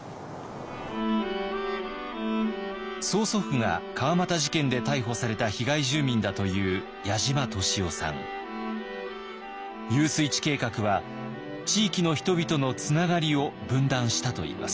曽祖父が川俣事件で逮捕された被害住民だという遊水池計画は地域の人々のつながりを分断したといいます。